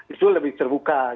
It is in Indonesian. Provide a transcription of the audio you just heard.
itu lebih terbuka